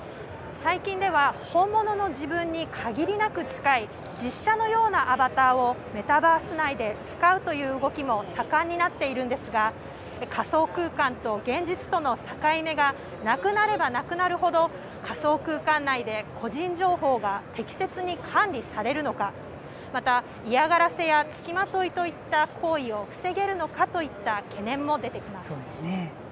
最近では、本物の自分に限りなく近い、実写のようなアバターを、メタバース内で使うという動きも盛んになっているんですが、仮想空間と現実との境目がなくなればなくなるほど、仮想空間内で個人情報が適切に管理されるのか、また嫌がらせや付きまといといった行為を防げるのかといった懸念も出てきます。